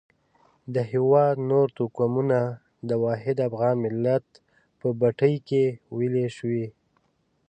د هېواد نور توکمونه د واحد افغان ملت په بټۍ کې ویلي شوي.